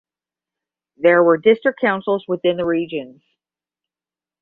There were district councils within the regions.